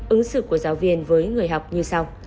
ứng xử của giáo viên với người học như sau